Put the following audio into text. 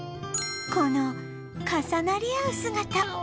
この重なり合う姿